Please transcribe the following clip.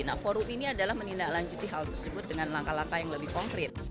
nah forum ini adalah menindaklanjuti hal tersebut dengan langkah langkah yang lebih konkret